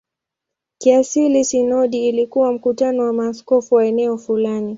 Kiasili sinodi ilikuwa mkutano wa maaskofu wa eneo fulani.